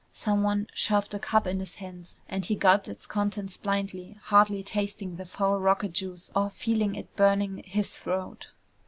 Someone shoved a cup in his hands and he gulped its contents blindly, hardly tasting the foul rocket juice or feeling it burning his throat.